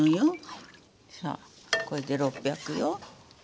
さあこれで６００よ。